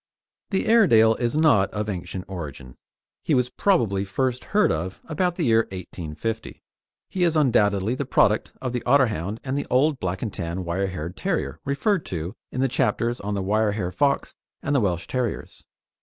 The Airedale is not of ancient origin. He was probably first heard of about the year 1850. He is undoubtedly the product of the Otterhound and the old Black and Tan wire haired terrier referred to in the chapters on the wire hair Fox and the Welsh Terriers.